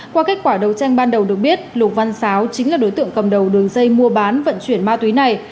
qua kết quả đầu tranh ban đầu được biết lục văn sáo chính là đối tượng cầm đầu đường dây mua bán vận chuyển ma túy này